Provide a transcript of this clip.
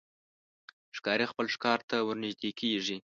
ښکاري خپل ښکار ته ورنژدې کېږي.